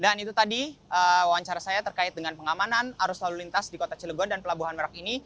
dan itu tadi wawancara saya terkait dengan pengamanan arus lalu lintas di kota cilegon dan pelabuhan merak ini